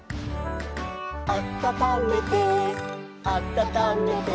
「あたためてあたためて」